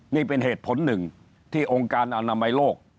นี่เป็นเหตุผลหนึ่งที่องค์การอนามัยโลก